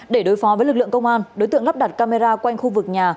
để đối phó với lực lượng công an đối tượng lắp đặt camera quanh khu vực nhà